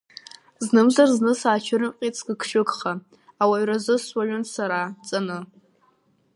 Знымзар зны саацәырымҟьеит сгыгшәыгха, ауаҩразы суаҩын сара, ҵаны.